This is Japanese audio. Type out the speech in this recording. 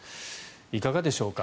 いかがでしょうか。